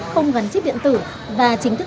không gắn chip điện tử và chính thức